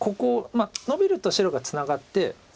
まあノビると白がツナがって。